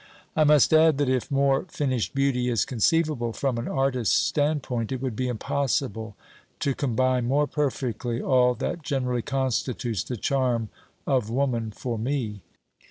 I must add that if more finished beauty is conceivable from an artist's standpoint, it would be impossible to com bine more perfectly all that generally constitutes the charm of woman for me.